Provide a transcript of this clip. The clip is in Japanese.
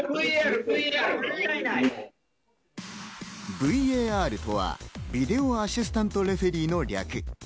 ＶＡＲとは、ビデオ・アシスタント・レフェリーの訳。